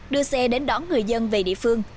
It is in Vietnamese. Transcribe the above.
đưa xe đến đón người dân về địa phương